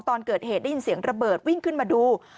ตอนเกิดเหตุได้ยินเสียงระเบิดวิ่งขึ้นมาดู